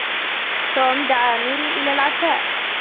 توم دعا ميري إلى العشاء.